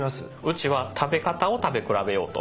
うちは食べ方を食べ比べようと。